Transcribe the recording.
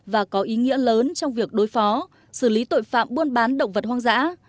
và có ý nghĩa lớn trong việc đối phó xử lý tội phạm buôn bán động vật hoang dã